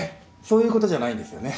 そういうことじゃないんですよね？